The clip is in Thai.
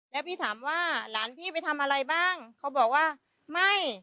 แล้วพี่ถามว่าหลานพี่ไปทำอะไรบ้างเขาบอกว่าไม่